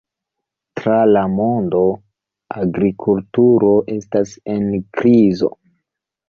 Tra la mondo, agrikulturo estas en krizo.